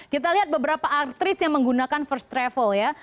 kita lihat beberapa artis yang menggunakan first travel ya